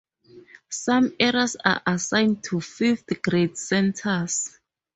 Some areas are assigned to fifth grade centers.